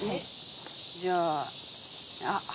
じゃああっはい。